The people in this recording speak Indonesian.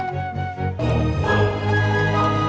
mau balik lagi kesini